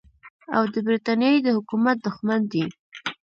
او د برټانیې د حکومت دښمن دی.